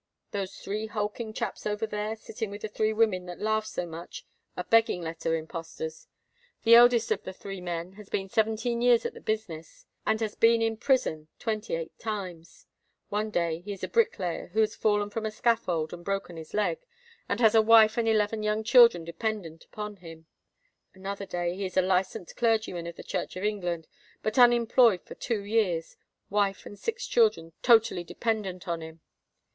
Those three hulking chaps over there, sitting with the three women that laugh so much, are begging letter impostors. The eldest of the three men has been seventeen years at the business, and has been in prison twenty eight times. One day he is a bricklayer who has fallen from a scaffold, and broken his leg, and has a wife and eleven young children dependent on him; another day he is a licensed clergyman of the Church of England, but unemployed for two years—wife and six children totally dependent on him.